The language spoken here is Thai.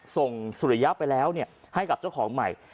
สุริยะไปแล้วให้กับเจ้าของใหม่